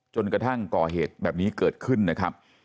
จนกระทั่งก่อเหตุแบบนี้เกิดขึ้นนะครับ